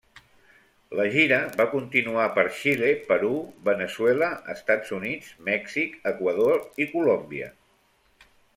La gira va continuar per Xile, Perú, Veneçuela, Estats Units, Mèxic, Equador i Colòmbia.